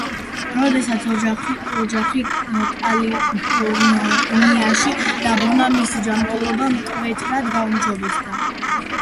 როდესაც ოჯახი კალიფორნიაში დაბრუნდა, მისი ჯანმრთელობა მკვეთრად გაუმჯობესდა.